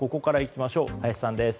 林さんです。